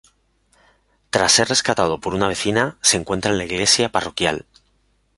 Tras ser rescatado por una vecina, se encuentra en la iglesia parroquial.